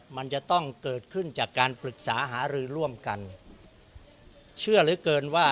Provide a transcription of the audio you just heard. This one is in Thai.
มันจะต้องเกิดขึ้นจากการปรึกษาหารือร่วมกันเชื่อเหลือเกินว่า